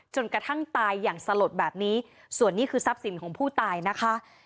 จนกระทั่งตายอย่างสลดแบบนี้ส่วนนี้คือทรัพย์สินของผู้ตายนะคะ